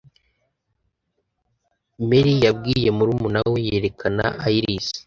marie yabwiye murumuna we, yerekana iris